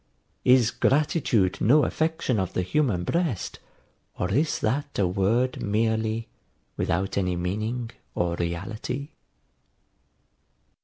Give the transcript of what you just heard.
Is gratitude no affection of the human breast, or is that a word merely, without any meaning or reality?